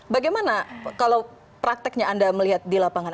bagaimana kalau prakteknya anda melihat di lapangan